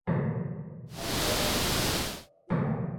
ماتا رو نيم ݾونتي ھي